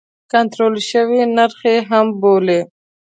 کنټرول شوی نرخ یې هم بولي.